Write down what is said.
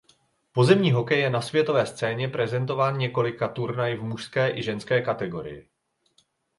Pozemní hokej je na světové scéně prezentován několika turnaji v mužské i ženské kategorii.